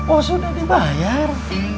oh sudah dibayar